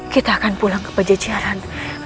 kita akan pulang ke pejajaran